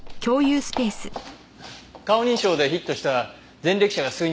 顔認証でヒットした前歴者が数人いました。